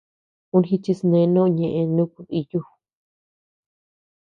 Uu jichisnee noʼo ñëʼe nuku díyu.